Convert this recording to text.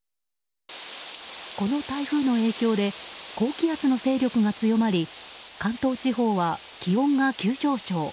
この台風の影響で高気圧の勢力が強まり関東地方は気温が急上昇。